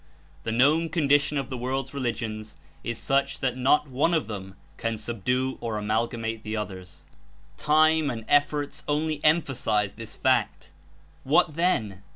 The known condition of the world's religions Is such that not one of them [iii] can subdue or amalgamate the others. Time and efforts only emphasize this fact. What then?